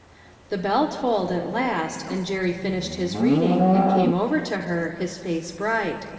The bell tolled, at last, and Jerry finished his reading, and came over to her, his face bright.